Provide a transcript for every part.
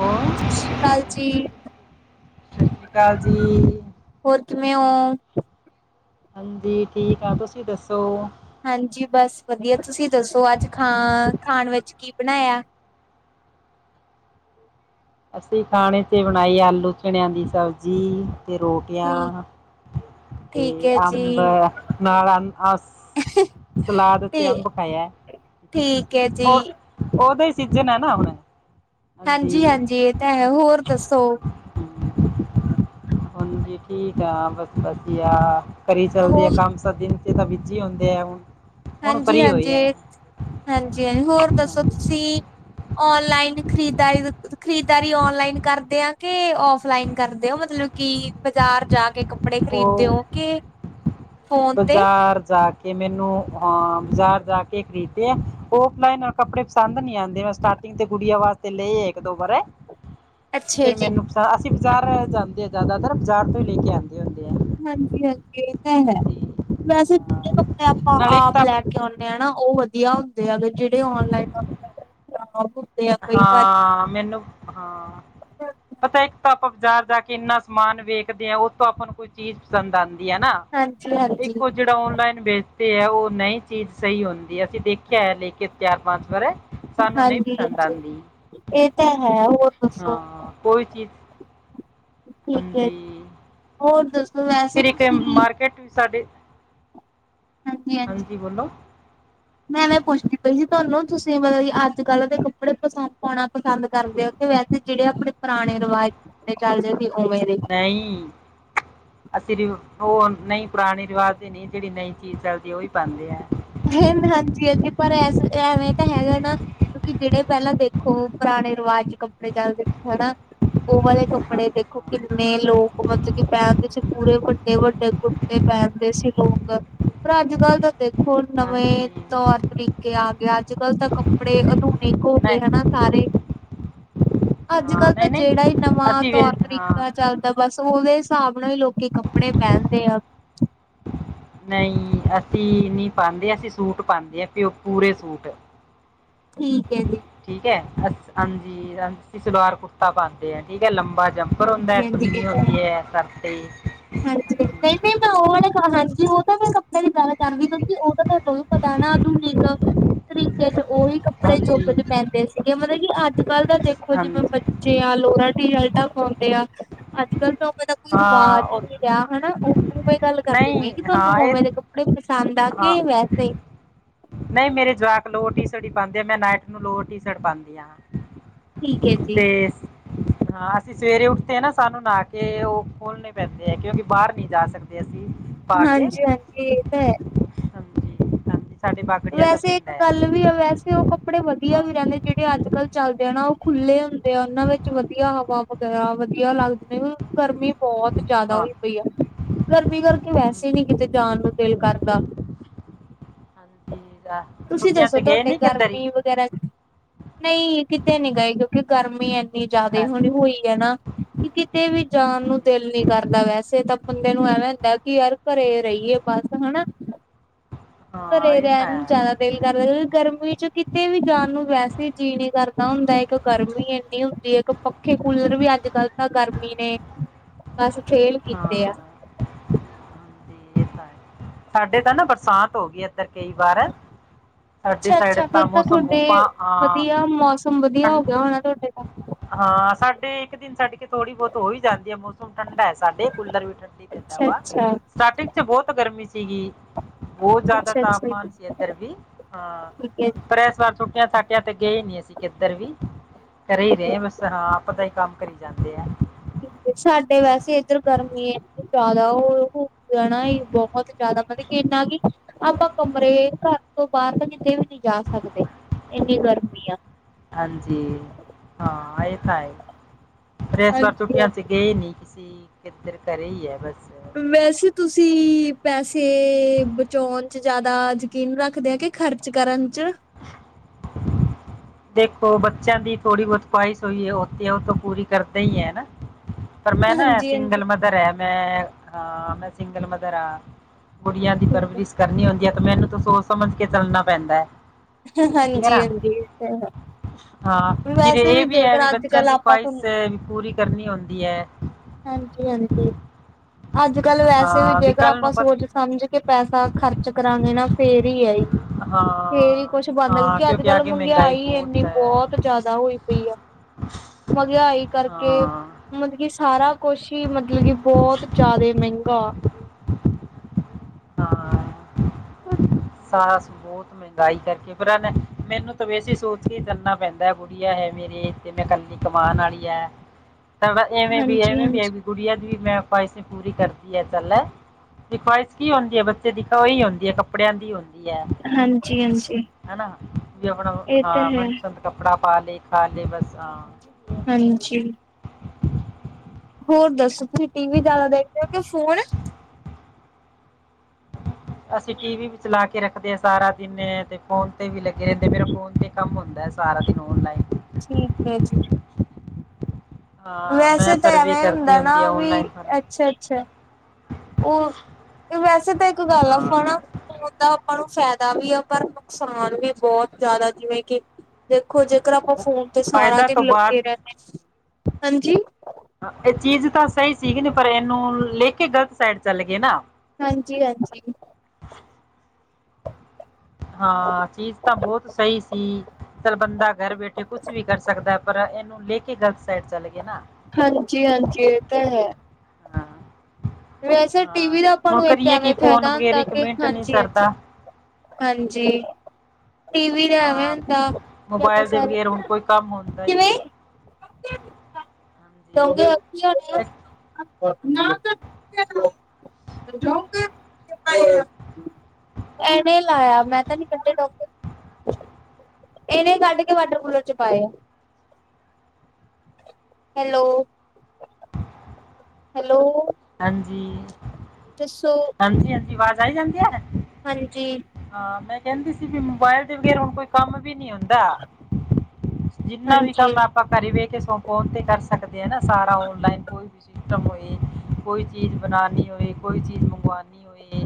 Hello, Sat Sri ਅਕਾਲ ਜੀ- ਸਤਿ ਸ਼੍ਰੀ ਅਕਾਲ ਜੀ। ਹੋਰ ਕਿਵੇਂ ਹੋ ਹਾਂਜੀ ਠੀਕ ਆ ਤੁਸੀਂ ਦੱਸੋ- ਹਾਂਜੀ ਬਸ ਵਧੀਆ ਤੁਸੀਂ ਦੱਸੋ ਅੱਜ ਖਾ ਖਾਣ ਵਿਚ ਕੀ ਬਣਾਇਆ- ਅਸੀਂ ਖਾਣੇ ਤੇ ਬਣਾਈ ਆਲੂ ਚਣਿਆਂ ਦੀ ਸਬਜੀ ਤੇ ਠੀਕ ਰੋਟੀਆਂ- ਤੇ ਠੀਕ ਹੈ ਅੰਬ ਜੀ, ਨਾਲ ਅਸ ਸਲਾਦ ਚ ਤੇ ਅੰਬ ਖਾਇਆ, ਠੀਕ ਹੈ ਜੀ। ਹੋਰ ਉਹਦਾ ਹੀ ਸੀਜਨ ਐ ਨਾ ਹੁਣ ਹਾਂਜੀ। ਹਾਂਜੀ-ਹਾਂਜੀ ਇਹ ਤਾਂ ਹੈ ਹੋਰ ਦੱਸੋ ਹਾਂਜੀ ਠੀਕ ਆ ਬਸ ਵਧੀਆ। ਕਰੀ ਚੱਲਦੇ ਆ ਹੋਰ ਕੰਮ ਸ ਦਿਨ ਚ ਤਾਂ ਬੀਜੀ ਹੁੰਦੇ ਆ ਹੁਣ ਹੁਣ ਫਰੀ ਹੋਏ ਹਾਂਜੀ-ਹਾਂਜੀ, ਆ ਹਾਂਜੀ ਹੋਰ ਦੱਸੋ ਤੁਸੀਂ? ਔਨਲਾਈਨ ਖਰੀਦਦਾਰੀ, ਖਰੀਦਦਾਰੀ ਔਨਲਾਈਨ ਕਰਦੇ ਆ ਕਿ ਔਫਲਾਈਨ ਕਰਦੇ ਆ ਮਤਲਬ ਕੀ ਬਾਜ਼ਾਰ ਜਾ ਕੇ ਕੱਪੜੇ ਖ਼ਰੀਦਦੇ ਓ ਕੇ ਬਜ਼ਾਰ ਜਾ ਕੇ ਕੇ ਮੈਨੂੰ ਅ ਬਜ਼ਾਰ ਜਾ ਕੇ ਖਰੀਦਦੇ ਆ ਔਫਲਾਈਨ ਅ ਕੱਪੜੇ ਪਸੰਦ ਨੀ ਆਂਦੇ ਤੇ ਗੁਡੀਆਂ ਵਾਸਤੇ ਲਏ ਐ ਇੱਕ-ਦੋ ਬਾਰੇ। [inaudible] ਫਿਰ ਜੀ, ਮੈਨੂੰ ਪਸੰ ਅਸੀਂ ਬਜ਼ਾਰ ਜਾਂਦੇ ਆ ਜ਼ਿਆਦਾਤਰ ਬਾਜ਼ਾਰ ਤੋਂ ਈ ਲੇ ਕੇ ਆਂਦੇ ਹੁੰਦੇ ਆ। ਹਾਂਜੀ-ਹਾਂਜੀ ਏ ਤਾਂ ਹੈ, ਹਾਂਜੀ ਵੈਸੇ ਜਿਹੜੇ ਹਾਂ ਆਪਾਂ ਨਾਲੇ ਇੱਕ ਆਪ ਤਾਂ ਲੈ ਕੇ ਓਨੇ ਨਾ ਓ ਵਧੀਆ ਹੁੰਦੇ ਆ ਗੇ ਅ ਜਿਹੜੇ ਔਨਲਾਈਨ ਆ ਕਈ ਵਾਰੀ ਹਾਂ, ਮੈਨੂੰ ਹਾਂ ਪਤਾ ਇੱਕ ਤਾਂ ਆਪਾਂ ਬਾਜ਼ਾਰ ਜਾ ਕੇ ਇੰਨਾ ਸਮਾਨ ਵੇਖਦੇ ਆ ਓਤੋਂ ਆਪਾਂ ਨੂੰ ਕੋਈ ਚੀਜ਼ ਪਸੰਦ ਆਂਦੀ ਆ ਨਾ। ਇੱਕ ਹਾਂਜੀ-ਹਾਂਜੀ। ਉਹ ਜਿਹੜਾ ਔਨਲਾਈਨ ਵੇਚਦੇ ਏ ਓ ਨਈ ਚੀਜ਼ ਸਈ ਹੁੰਦੀ ਅਸੀਂ ਦੇਖਿਆ ਹੈ ਲੇ ਕੇ ਚਾਰ-ਪੰਜ ਵਾਰ। ਸਾਨੂੰ ਨਹੀਂ ਪਸੰਦ ਹਾਂਜੀ-ਹਾਂਜੀ, ਆਂਦੀ ਏ ਤਾਂ ਹੈ ਹੋਰ ਦੱਸੋ? ਹਾਂ, ਕੋਈ ਚੀਜ਼ ਠੀਕ ਐ ਹਾਂਜੀ ਹੋਰ ਦੱਸੋ ਵੈ ਫਿਰ ਇੱਕ ਏ ਮਾਰਕੀਟ ਸਾਡੇ, ਹਾਂਜੀ ਬੋਲੋ ਮੈਂ ਐਵੇੈਂ ਪੁੱਛਦੀ ਪਈ ਸੀ ਤੁਆਨੂੰ ਤੁਸੀਂ ਮਤਲਬ ਕੀ ਅੱਜ-ਕੱਲ ਦੇ ਕੱਪੜੇ ਪਸ ਪਾਉਣਾ ਪਸੰਦ ਕਰਦੇ ਓ ਕਿ ਵੈਸੇ ਜਿਹੜੇ ਆਪਣੇ ਪੁਰਾਣੇ ਰਵਾਜ ਦੇ ਚੱਲਦੇ ਸੀ ਓਵੇਂ ਦੇ। ਨਈ, ਅਸੀਂ ਵੀ ਓ ਨਈ ਪੁਰਾਣੇ ਰਿਵਾਜ਼ ਦੇ ਨੀ ਜਿਹੜੀ ਨਈ ਚੀਜ਼ ਚੱਲਦੀ ਐ ਓਈ ਪਾਂਦੇ ਐ। ਹਾਂਜੀ-ਹਾਂਜੀ, ਪਰ ਐਸ ਐਵੇਂ ਤਾਂ ਹੈਗਾ ਨਾ ਕਿਉਂਕਿ ਜਿਹੜੇ ਪਹਿਲਾਂ ਦੇਖੋ ਹੁਣ ਪੁਰਾਣੇ ਰਿਵਾਜ਼ ਚ ਕੱਪੜੇ ਚੱਲਦੇ ਸੀ ਹਨਾ। ਉਹ ਵਾਲੇ ਹਾਂ, ਕੱਪੜੇ ਦੇਖੋ ਹਾਂ। ਕਿੰਨੇ ਲੋਕ ਮਤਲਬ ਕਿ ਪੈਰਾਂ ਵਿਚ ਪੂਰੇ ਵੱਡੇ-ਵੱਡੇ ਤੇ ਪਹਿਨਦੇ ਸੀ ਲੋਕ ਪਰ ਅੱਜ-ਕੱਲ ਤਾਂ ਦੇਖ ਹੋਰ ਹਾਂਜੀ ਨਵੇਂ ਤੌਰ ਤਰੀਕੇ ਆਗੇ ਅੱਜ-ਕੱਲ ਤਾਂ ਕੱਪੜੇ ਅਦੁਨਿਕ ਹੋ ਗਏ ਨਹੀਂ ਹਨਾ ਸਾਰੇ, ਹਾਂ ਅੱਜ-ਕੱਲ ਤਾਂ ਨਹੀਂ ਜਿਹੜਾ ਈ ਨਹੀਂ ਨਵਾਂ ਅਸੀਂ ਵੇ ਹਾਂ ਤੌਰ-ਤਰੀਕਾ ਚੱਲਦਾ ਬਸ ਉਹਦੇ ਹਿਸਾਬ ਨਾਲ ਈ ਲੋਕੀ ਕੱਪੜੇ ਪਹਿਨਦੇ ਆ। ਨਈ ਅਸੀਂ ਨੀ ਪਾਂਦੇ ਅਸੀਂ ਸੂਟ ਪਾਂਦੇ ਆ ਪਿਓ ਪੂਰੇ ਸੂਟ। ਠੀਕ ਐ ਜੀ। ਠੀਕ ਐ ਅ ਹਾਂਜੀ ਹ ਅਸੀਂ ਸਲਵਾਰ ਕੁੜਤਾ ਪਾਂਦੇ ਆ ਠੀਕ ਐ ਲੰਬਾ ਜਮਾ ਉਪਰ ਹੁੰਦਾ ਹਾਂਜੀ ਹਾਂਜੀ ਇਹ ਚੁੰਨੀ ਤਾਂ ਹੈ ਹੁੰਦੀ ਐ ਸਰ ਤੇ। ਹਾਂਜੀ। ਨਈ-ਨਈ ਮੈਂ ਓ ਵਾਲੇ ਹਾਂਜੀ ਓ ਤਾਂ ਮੈਂ ਕੱਪੜੇ ਦੀ ਗੱਲ ਕਰਦੀ ਕਿਉਂਕਿ ਓ ਤਾਂ ਤੁਆਨੂੰ ਵੀ ਪਤਾ ਨਾ ਕਿੰਨੀ ਕ, ਤਰੀਕੇ ਚ ਓਈ ਕੱਪੜੇ ਚੁੱੱਕ ਕੇ ਹਾਂਜੀ ਪੈਂਦੇ ਸੀਗੇ ਮਤਲਬ ਕਿ ਅੱਜ-ਕੱਲ ਤਾਂ ਦੇਖੋ ਜਿਵੇਂ ਬ ਹਾਂਜੀ ਬੱਚੇ ਆ ਲੋਰਾਂ ਟੀਸ਼ਲਟਾ ਪਾਉਂਦੇ ਆ, ਅੱਜ-ਕੱਲ ਤਾਂ ਓਵੇਂ ਦਾ ਕੋਈ ਹਾਂ ਰਿਵਾਜ਼ ਵੀ ਉਹ ਹਨਾ ਓ ਉਵੇਂ ਗੱਲ ਕਰਦੀ ਨਹੀਂ ਪਈ ਸੀ ਕਿ ਤੁਆਨੂੰ ਹਾਂ ਇਹ ਉਵੇਂ ਦੇ ਕੱਪੜੇ ਪਸੰਦ ਆ ਕੇ ਵੈਸੇ ਨਈ ਮੇਰੇ ਜਵਾਕ ਲੋਰ ਟੀਸ਼ਟ ਈ ਪਾਂਦੇ ਆ ਮੈਂ ਨਾਇਟ ਨੂੰ ਲੋਰ ਟੀ ਸ਼ਰਟ ਪਾਂਦੀ ਆ। ਠੀਕ ਹੈ ਜੀ ਤੇ ਹਾਂ ਅਸੀਂ ਸਵੇਰੇ ਉੱਠਦੇ ਆ ਨਾ ਸਾਨੂੰ ਨਾਹ ਕੇ ਓ ਫੁੱਲ ਪੈਂਦੇ ਐ ਕਿਉਂਕਿ ਬਾਹਰ ਨੀ ਜਾ ਸਕਦੇ ਅਸੀਂ ਪਾ ਕੇ ਹਾਂਜੀ-ਹਾਂਜੀ ਇਹ ਤਾਂ ਹੈ। ਹਾਂਜੀ ਹਾਂਜੀ ਸਾਡੇ ਬਾਗੜੀਆਂ ਦਾ ਵੈਸੇ ਪਿੰਡ ਇੱਕ ਹੈ ਗੱਲ ਵੀ ਆ ਵੈਸੇ ਤੇ ਉਹ ਕੱਪੜੇ ਵਧੀਆ ਹਾਂ ਵੀ ਰਹਿੰਦੇ ਜਿਹੜੇ ਅੱਜ-ਕੱਲ ਚੱਲਦੇ ਆ ਨਾ ਓ ਖੁੱਲ੍ਹੇ ਹੁੰਦੇ ਆ ਓਨਾਂ ਵਿੱਚ ਵਧੀਆ ਹਵਾ, ਓਦਾ ਆ ਵਧੀਆ ਲੱਗਦੇ ਨੇ, ਗਰਮੀ ਬਹੁਤ ਜ਼ਿਆਦਾ ਹਾਂ ਹੋਈ, ਈ ਗਰਮੀ ਕਰਕੇ ਵੈਸੇ ਹੀ ਨੀ ਹਮ, ਕਿਤੇ ਜਾਣ ਨੂੰ ਦਿਲ ਕਰਦਾ। ਹਾਂਜੀ ਆ, ਤੁਸੀਂ ਛੁੱਟੀਆਂ ਦੱਸੋ 'ਚ ਗਏ ਤੁਹਾਡੇ ਨਹੀਂ ਕਿੱਧਰ ਹੀ ਗਰਮੀ ਵੀ, ਨਹੀਂ ਕਿਤੇ ਨੀ ਗਏ ਕਿਉਂਕਿ ਗਰਮੀ ਇੰਨੀ ਜ਼ਿਆਦਾ ਅੱਛਾ, ਹੁਣ ਹੋਈ ਹੈ ਨਾ। ਕਿ ਕਿਤੇ ਵੀ ਜਾਣ ਨੂੰ ਦਿਲ ਨੀ ਹਾਂਜੀ ਕਰਦਾ ਵੈਸੇ ਤਾਂ ਬੰਦੇ ਨੂੰ ਐਵੇਂ ਹੁੰਦਾ ਕਿ ਯਾਰ, ਘਰੇ ਰਹੀਏ ਬਸ ਹਨਾ। ਘਰੇ ਹਾਂ ਇਹ ਤਾਂ ਰਹਿਣ ਨੂੰ ਹੈ ਜ਼ਿਆਦਾ ਦਿਲ ਕਰਦਾ ਕਿਉੰਕਿ ਗਰਮੀ ਚ ਕਿਤੇ ਵੀ ਜਾਣ, ਨੂੰ ਵੈਸੇ ਜੀਅ ਨੀ ਕਰਦਾ ਹੁੰਦਾ ਇੱਕ ਗਰਮੀ ਇੰਨੀ ਹੁੰਦੀ ਇੱਕ ਪੱਖੇ, ਕੂਲਰ ਵੀ ਅੱਜ-ਕੱਲ ਤਾਂ ਗਰਮੀ ਨੇ ਬਸ ਫੇਲ ਹਾਂ ਕੀਤੇ ਆ। ਹਾਂਜੀ ਇਹ ਤਾਂ ਸਾਡੇ ਤਾਂ ਨਾ ਬਰਸਾਤ ਹੋ ਗਈ। ਇਧਰ ਕਈ ਵਾਰ, ਸਾਡੀ ਅੱਛਾ ਸਾਈਡ ਤਾਂ ਮੋਸਮਬੂਪਾ ਅਹ, ਸਭ ਮੌਸਮ ਵਧੀ ਧੀਆ ਹੋ ਗਿਆ ਹੋਣਾ ਤੁਹਾਡੇ ਤਾਂ ਹਾਂ ਸਾਡੇ ਇੱਕ, ਦਿਨ ਛੱਡ ਕੇ ਥੋੜ੍ਹੀ ਬਹੁਤ ਹੋ ਹੀ ਜਾਂਦੀ ਹੈ ਮੌਸਮ ਠੰਢਾ ਹੈ ਸਾਡੇ ਕੂਲਰ ਵੀ ਠੰਡੀ ਦਿੰਦਾ ਅੱਛਾ, ਵਾ ਅੱਛਾ। ਸਟਾਰਟਿੰਗ ਚ ਬਹੁਤ ਗਰਮੀ ਸੀਗੀ। ਬਹੁਤ ਜ਼ਿਆਦਾ ਅੱਛਾ ਅੱਛਾ ਤਾਪਮਾਨ ਸੀ ਇੱਧਰ ਵੀ ਹਾਂ। ਠੀਕ ਹੈ ਪਰ ਇਸ ਵਾਰ ਛੁੱਟੀਆਂ ਛੱਟਿਆ ਤੇ ਗਏ ਨੀ ਅਸੀਂ ਕਿੱਧਰ ਵੀ, ਕਰੇ ਹੀ ਰਹੇ ਬਸ ਹਾਂ ਆਪਦਾ ਹੀ ਕੰਮ ਕਰੀ ਜਾਂਦੇ ਆ। ਜੀ ਸਾਡੇ ਵੈਸੇ ਇੱਧਰ ਗਰਮੀ ਇੰਨੀ ਜ਼ਿਆਦਾ ਉਹ ਰਹਿਣਾ ਹੀ ਬਹੁਤ ਜ਼ਿਆਦਾ ਮਤਲਬ ਕਿ ਇੰਨਾ ਕਿ ਆਪਾਂ ਕਮਰੇ ਘਰ ਤੋਂ ਬਾਹਰ ਤਾਂ ਕਿਤੇ ਵੀ ਨਹੀਂ ਜਾ ਸਕਦੇ ਇੰਨੀ ਗਰਮੀ ਆ। ਹਾਂਜੀ ਹਾਂ ਇਹ ਤਾਂ ਹੈ ਪਰ ਇਸ ਵਾਰ ਹਾਂਜੀ ਛੁੱਟੀਆਂ ਸੀ ਗਏ ਨਹੀਂ ਕਿਸੀ ਏਧਰ ਘਰੇ ਹੀ ਏ ਬਸ ਵੈਸੇ ਤੁਸੀਂ ਪੈਸੇ ਬਚਾਉਣ ਚ ਜ਼ਿਆਦਾ ਜਕੀਨ ਰੱਖਦੇ ਆ ਕਿ, ਖ਼ਰਚ ਕਰਨ ਚ' ਦੇਖੋ ਬੱਚਿਆਂ ਦੀ ਥੋੜ੍ਹੀ ਬਹੁਤ ਖਆਹਿਸ਼ ਹੋਈ ਹੈ ਉਹ ਤੇ ਪੂਰੀ ਕਰਦੇ ਹੀ ਹੈ ਹਨਾ। [unintelligible] ਪਰ ਮੈਂ ਨਾ ਹਾਂਜੀ ਸਿੰਗਲ ਮਦਰ ਹੈ ਮੈਂ ਹਾਂ ਮੈਂ ਸਿੰਗਲ ਮਦਰ ਆ। ਕੁੜੀਆਂ ਦੀ ਠੀਕ ਪਰਵਰਿਸ਼ ਕਰਨੀ ਹੁੰਦੀ ਹੈ ਤੇ ਮੈਨੂੰ ਤਾਂ ਸੋਚ ਸਮਝ ਕੇ ਚੱਲਣਾ ਪੈਂਦਾ ਹੈ। ਠੀਕ ਹੈ ਹਾਂਜੀ, ਨਾ ਹਾਂਜੀ ਇਹ ਤਾਂ ਹੈ। ਹਾਂ ਫਿਰ ਵੈਸੇ ਇਹ ਵੀ ਹੈ ਵੀ ਜੇਕਰ ਅੱਜ ਬੱਚਿਆਂ ਕੱਲ ਦੀ ਆਪਾਂ ਤੁਹਾਨੂੰ ਖਵਾਇਸ਼ ਵੀ ਪੂਰੀ ਕਰਨੀ ਹੁੰਦੀ ਐ ਹਾਂਜੀ, ਹਾਂਜੀ। ਅੱਜ ਕੱਲ ਵੈਸੇ ਵੀ ਹਾਂ ਜੇਕਰ ਕੱਲ ਆਪਾਂ ਨੂੰ ਸੋਚ ਪਤਾ ਸਮਝ ਕੇ ਪੈਸਾ ਖਰਚ ਕਰਾਂਗੇ ਨਾ, ਫੇਰ ਹੀ ਆ ਜੀ ਫੇਰ ਕੁਛ ਬਣਦਾ, ਕਿਉਂਕਿ ਅੱਜ ਕੱਲ ਮਹਿੰਗਾਈ ਇੰਨੀ ਬਹੁਤ ਜਿਆਦਾ ਹੋਈ, ਪਈ ਆ ਮੰਗਿਆਈ ਕਰਕੇ, ਮਤਲਬ ਕੀ ਸਾਰਾ ਕੁਛ ਹੀ ਮਤਲਬ ਕੀ ਬਹੁਤ ਜਾਦੇ ਮਹਿੰਗਾ। ਹਾਂ। ਹ [unintelligible] ਸਾਸ ਬਹੁਤ ਮਹਿੰਗਾਈ ਕਰਕੇ ਪਰ ਐ ਵੈ ਮੈਨੂੰ ਤੇ ਵੈਸੇ ਸੋਚ ਕੇ ਕਰਨਾ ਪੈਂਦਾ ਹੈ ਗੁੱਡੀਆ ਹੈ ਮੇਰੇਤੇ ਮੈਂ ਕੱਲੀ ਕਮਾਨ ਵਾਲੀ ਹੈ ਐਵੇਂ ਵੀ, ਹਾਂਜੀ ਐਵੇਂ ਹਾਂਜੀ ਵੀ ਗੁੱਡੀਆ ਦੀ ਵੀ ਮੈਂ ਖਵਾਇਸ਼ੇ ਪੂਰੀ ਕਰਨੀ ਹੈ ਕਲੇ ਤੇ ਖਵਾਇਸ਼ ਕੀ ਹੁੰਦੀ ਹੈ ਬੱਚੇ ਦੀ ਓਹੀ ਹੁੰਦੀ ਹੈ ਕੱਪੜਿਆਂ ਦੀ ਹੁੰਦੀ ਦੀ ਏ ਹਾਂਜੀ ਹਾਂਜੀ ਹਨਾ ਵੀ ਆਪਣਾ ਇਹ ਤਾਂ ਹਾਂ ਹੈ ਮਨਪਸੰਦ, ਕੱਪੜਾ ਪਾ ਲੇ, ਖਾ ਲੇ ਬਸ ਹਾਂ। ਹਾਂਜੀ। ਹੋਰ ਦੱਸੋ ਤੁਸੀਂ ਟੀ ਵੀ ਜ਼ਿਆਦਾ ਦੇਖਦੇ ਹੋ ਕਿ ਫੋਨ। [unintelligible] ਅਸੀਂ ਟੀ ਵੀ ਵੀ ਚਲਾ ਕੇ ਰੱਖਦੇ ਹਾਂ ਸਾਰਾ ਦਿਨ ਤੇ ਫੋਨ ਤੇ ਵੀ ਲੱਗੇ ਰਹਿੰਦੇ ਮੇਰੇ ਫੋਨ ਤੇ। ਕੰਮ ਹੁੰਦਾ ਹੈ ਸਾਰਾ ਦਿਨ ਆਨਲਾਈਨ ਠੀਕ ਹੈ ਜੀ ਹਾਂ ਮੈਂ ਵੈਸੇ ਤਾਂ ਸਰਵੇ ਐਵੇਂ ਕਰਦੀ ਹੁੰਦਾ ਨਾ ਹੁੰਦੀ ਆ ਵੀ ਆਨਲਾਈਨ ਪਰ ਅੱਛਾ ਅੱਛਾ ਉਹ ਵੈਸੇ ਤਾਂ ਇੱਕ ਗੱਲ ਆ ਹਾਂ ਫਣਾ ਫੋਨ ਦਾ ਆਪਾਂ ਨੂੰ ਫਾਇਦਾ ਵੀ ਆ ਪਰ ਨੁਕਸਾਨ ਵੀ ਬਹੁਤ ਜ਼ਿਆਦਾ ਜਿਵੇਂ ਕਿ ਦੇਖੋ ਜੇਕਰ ਆਪਾਂ ਬੁ- ਫੋਨ ਤੇ ਸਾਰਾ ਫਾਇਦਾ ਤੋਂ ਦਿਨ ਬਾਅਦ ਲੱਗੇ ਰਹਿੰਦੇ ਹਾਂਜੀ ਏ ਚੀਜ਼ ਤਾਂ ਸਈ ਸੀਗੀ ਤੇ ਪਰ ਏਨੂੰ, ਲੇ ਕੇ ਗ਼ਲਤ ਸੈਡ ਚੱਲ ਗਏ ਨਾ। ਹਾਂਜੀ-ਹਾਂਜੀ। ਹਾਂ, ਚੀਜ਼ ਤਾਂ ਬੋਤ ਸਈ ਸੀ। ਚਲ ਬੰਦਾ ਗਰ ਬੈਠੇ ਕੁਛ ਵੀ ਕਰ ਸਕਦਾ ਏ ਪਰ ਏਨੂੰ ਲੈ ਕੇ ਗ਼ਲਤ ਸਾਈਡ ਚੱਲ ਗਏ ਨਾ ਹਾਂਜੀ-ਹਾਂਜੀ ਏ ਤਾਂ ਹੈ। ਹਾਂ ਵੈਸੇ ਟੀ ਹਾਂ ਵੀ ਦਾ ਆਪਾਂ ਹੁਣ ਨੂੰ ਇੱਕ ਕਰੀਏ ਕੀ ਐਵੇਂ ਫੋਨ ਫੈਦਾ ਵਗੈਰਾ ਹੁੰਦਾ ਇੱਕ ਕੇ ਮਿੰਟ ਨਹੀਂ ਹਾਂਜੀ-ਹਾਂਜੀ। ਸਰਦਾ ਹਾਂਜੀ। ਟੀ ਵੀ ਦਾ ਐਵੇਂ ਹਾਂ, ਹੁੰਦਾ ਕੇ ਆਪਾਂ ਮੋਬਾਇਲ ਦੇ ਸਾਰੇ, ਬਗੈਰ ਹੁਣ ਕੋਈ ਕੰਮ ਹੁੰਦਾ ਹੀ ਨਹੀਂ। ਕਿਵੇਂ? ਹਾਂਜੀ, ਹਾਂਜੀ, [unintelligible] [unintelligible] ਏਨੇ ਲਾਏਆ ਮੈਂ ਤਾਂ ਨੀ ਕੱਢੇ ਡਾਕ ਏਨੇ ਕੱਢ ਕੇ ਵਾਟਰ ਕੂਲਰ ਚ ਪਾਏਆ। ਹੈਲੋ। ਹੈਲੋ। ਹਾਂਜੀ। ਦੱਸੋ। ਹਾਂਜੀ-ਹਾਂਜੀ ਵਾਜ਼ ਆਈ ਜਾਂਦੀ ਆ? ਹਾਂਜੀ। ਹਾਂ ਮੈਂ ਕੈਂਦੀ ਸੀ ਵੀ ਮੋਬਾਇਲ ਦੇ ਵਗੈਰ ਹੁਣ ਕੋਈ ਕੰਮ ਵੀ ਨੀ ਐ ਜਿੰਨਾ ਵੀ ਹਾਂਜੀ ਕੰਮ ਆਪਾਂ ਘਰੇ ਵੈ ਕੇ ਫੋਨ ਤੇ ਕਰ ਸਕ ਸਕਦੇ ਆ ਨਾ ਸਾਰਾ ਔਨਲਾਈਨ ਕੋਈ ਵੀ ਸਿਸਟਮ ਹੋਏ। ਕੋਈ ਚੀਜ਼ ਬਣਾਣੀ ਹੋਏ ਕੋਈ ਚੀਜ਼ ਮੰਗਵਾਣੀ ਹੋਏ,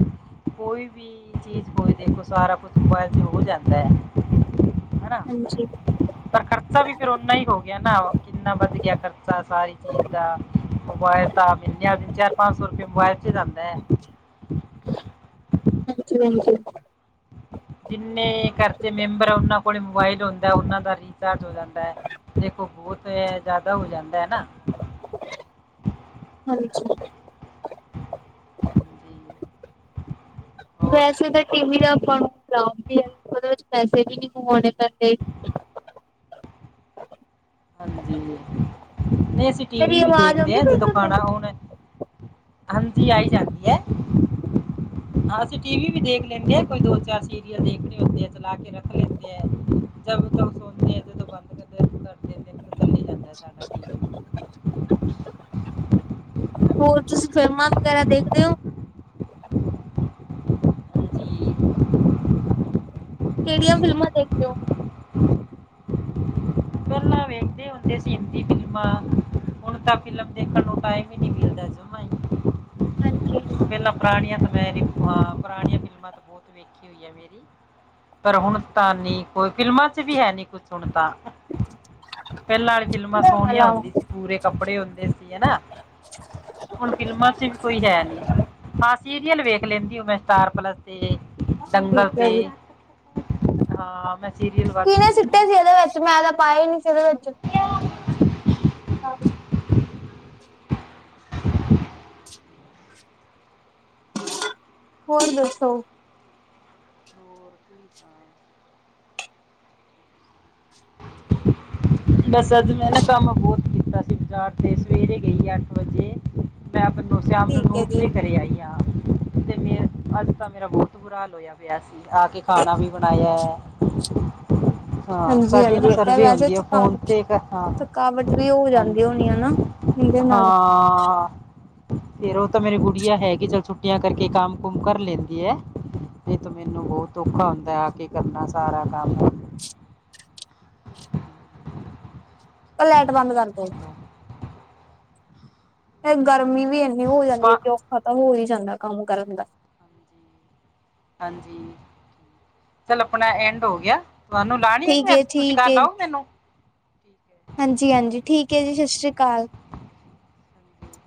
ਕੋਈ ਵੀ ਕੀ ਚੀਜ਼ ਕੋਈ ਦੇਖੋ ਸਾਰਾ ਕੁਛ ਮਬਾਏਲ ਚ ਹੋ ਜਾਂਦਾ ਐ। ਹਨਾ, ਹਾਂਜੀ ਹਾਂਜੀ ਪਰ ਖਰਚਾ ਵੀ ਫੇਰ ਓਨਾ ਈ ਹੋ ਗਿਆ ਨਾ ਕਿੰਨਾ ਵੱਦ ਗਿਆ ਖਰਚਾ ਸਾਰੀ ਚੀਜ਼ ਦਾ, ਮੋਬਾਏਲ ਤਾਂ ਆਪ ਚਾਰ ਪੰਜ ਸੋ ਰੁਪਏ ਮੋਬਾਇਲ ਚ ਈ ਜਾਂਦਾ ਐ। ਹਾਂਜੀ-ਹਾਂਜੀ। ਜਿੰਨੇ ਘਰ ਦੇ ਮੈਂਬਰ ਆ ਓਨਾਂ ਕੋਲੇ ਮੋਬਾਇਲ ਹੁੰਦਾ ਓਨਾਂ ਦਾ ਹੀ ਚਾਰਜ ਹੋ ਜਾਂਦਾ ਐ, ਦੇਖੋ ਬੋਤ ਏ ਜਾਦਾ ਹੋ ਜਾਂਦਾ ਏ ਨਾ ਹਾਂਜੀ। ਜੀ ਹੋਰ ਵੈਸੇ ਤਾਂ ਟੀ ਵੀ ਦਾ ਆਪਾਂ ਨੂੰ, ਰਾਮ ਵੀ ਆ ਓਦੇ ਵਿੱਚ ਪੈਸੇ ਵੀ ਨੀ ਪਵੋਣੇ ਪੈਂਦੇ। ਹਾਂਜੀ, ਨਈ ਅਸੀਂ ਟੀ ਵੀ ਮੇਰੀ ਵੀ ਆਵਾਜ਼ ਦੇਖਦੇ ਆਉਂਦੀ ਆ ਪਈ ਜਦੋਂ ਤੁਹਾਨੂੰ ਖਾਣਾ ਹੁਣ- ਹਾਂਜੀ ਆਈ ਜਾਂਦੀ ਐ, ਆਤੇ ਟੀ ਵੀ ਵੀ ਦੇਖ ਲੈਂਨੇ ਆ ਕੋਈ ਦੋ ਚਾਰ ਸੀਰੀਅਲ ਦੇਖਣੇ ਹੁੰਦੇ ਐ। ਚਲਾ ਕੇ ਰੱਖ ਲੈਂਦੇ ਐ ਜਬ ਤਬ ਸੋਚਦੇ ਐ ਜਦੋਂ ਬੰਦ ਕਰਦੇ ਐ। ਕਰਦੇ ਤੇ ਫੇਰ ਚੱਲੀ ਜਾਂਦਾ ਸਾਡਾ ਟੀਵੀ। ਹੋਰ ਤੁਸੀਂ ਫ਼ਿਲਮਾਂ ਵਗੈਰਾ ਦੇਖਦੇ ਓ? ਹਾਂਜੀ ਕੇੜੀਆਂ ਫਿਲਮਾਂ ਦੇਖਦੇ ਓ? ਪੈਲਾਂ ਵੇਖਦੇ ਹੁੰਦੇ ਸੀ ਹਿੰਦੀ ਫਿਲਮਾਂ। ਹੁਣ ਤਾਂ ਫਿਲਮ ਦੇਖਣ ਨੂੰ ਟਾਇਮ ਈ ਨੀ ਮਿਲਦਾ ਜਮਾ ਈ। ਹਾਂਜੀ। ਪੈਲਾਂ ਪੁਰਾਣੀਆਂ ਤਾਂ ਮੈਂ ਜੀ ਹਾਂ ਪੁਰਾਣੀਆਂ ਫਿਲਮਾਂ ਤਾਂ ਬੋਤ ਵੇਖੀਆ ਹੋਈ ਆ। ਮੇਰੀ ਪਰ ਹੁਣ ਤਾਂ ਨੀ ਕੋਈ ਫਿਲਮਾਂ ਚ ਵੀ ਹੈ ਨੀ ਕੁਛ ਹੁਣ ਤਾਂ। ਪੈਲਾਂ ਆਲੀ ਫਿਲਮਾਂ ਸੋਣੀਆਂ ਹੁੰਦੀ ਸੀ ਪੂਰੇ ਕੱਪੜੇ ਹੁੰਦੇ ਸੀ ਹੈ ਨਾ। ਹੁਣ ਫਿਲਮਾਂ ਚ ਵੀ ਕੋਈ ਹੈ ਨੀ ਹਾਂ ਸੀਰੀਅਲ ਵੇਖ ਲੈਂਦੀ ਉ ਮੈਂ ਸਟਾਰ ਪਲੱਸ। ਤੇ ਡੰਗਲ ਤੇ ਹਾਂ ਮੈਂ ਸੀਰੀਅਲ ਵੱਧ ਕੁੱਟੇ ਸੀ ਏਦੇ ਵਿੱਚ ਮੈਂ ਤਾਂ ਪਾਇਆ ਹੀ ਨੀ ਸੀ ਓਦੇ ਵਿੱਚ। ਹੋਰ ਦੱਸੋ! ਹੋਰ ਕੀ ਹਾਂ। ਬਸ ਅੱਜ ਮੈਂ ਨਾ ਕੰਮ ਬੌਤ ਕੀਤਾ ਸੀ, ਬਾਜ਼ਾਰ ਤੇ ਸਵੇਰੇ ਗਈ ਅੱਠ ਵਜੇ। ਮੈਂ ਆਪ ਦੋਸਮ ਨੂੰ ਠੀਕ ਹੈ ਨੋਕ ਦੇ ਜੀ ਘਰੇ ਆਈ ਆਂ। ਤੇ ਮੇਰ-ਅੱਜ ਤਾਂ ਮੇਰਾ ਬਹੁਤ ਬੁਰਾ ਹਾਲ ਹੋਇਆ ਪਿਆ ਸੀ, ਆ ਕੇ ਖਾਣਾ ਵੀ ਬਣਾਇਆ। ਹਾਂ! ਹਾਂਜੀ ਸਾਡੀ ਨਾ ਹਾਂਜੀ ਤਾਂ ਸਰਵੇ ਵੈਸੇ ਹੁੰਦੀ ਆ ਫੋਨ ਥਕਾਵਟ 'ਤੇ ਕ - ਹਾਂ, ਥਕਾਵਟ ਵੀ ਹੋ ਜਾਂਦੀ ਹੋਣੀ ਆ ਨਾ ਹਾਂਜੀ। ਇਹਦੇ ਨਾਲ ਹਾਂ। ਫੇਰ ਓ ਤਾਂ ਮੇਰੀ ਗੁੜੀਆ ਹੈਗੀ, ਚੱਲ ਛੁੱਟੀਆਂ ਕਰਕੇ ਕੰਮ ਕੁਮ ਕਰ ਲੇਤੀ ਹੈ। ਨੀ ਤੇ ਮੈਨੂੰ ਬੋਤ ਔਖਾ ਹੁੰਦੈ, ਆ ਕੇ ਕਰਨਾ ਸਾਰਾ ਕੰਮ। ਓ ਲੈਟ ਬੰਦ ਕਰ ਦੋ। ਫੇਰ ਗਰਮੀ ਵੀ ਇੰਨੀ ਹੋ ਜਾਂਦੀ ਏ ਪਾ ਕਿ ਔਖਾ ਤਾਂ ਹੋ ਹੀ ਜਾਂਦੈ ਕੰਮ ਕਰਨ ਦਾ। ਹਾਂਜੀ ਹਾਂਜੀ! ਚੱਲ ਆਪਣਾ ਐਂਡ ਹੋ ਗਿਆ! ਤੁਆਨੂੰ ਲਾਣੀ ਏ ਕਿ ਠੀਕ ਫੇਰ? ਹੈ ਤੁਸੀਂ ਕਾਲ ਆਓ ਮੈਨੂੰ। ਠੀਕ ਹੈ ਹਾਂਜੀ-ਹਾਂਜੀ! ਠੀਕ ਏ ਜੀ, ਸਾਸ਼੍ਰੀਕਾਲ। ਹਾਂਜੀ